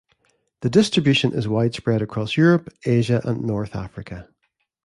The distribution is widespread across Europe, Asia and North Africa.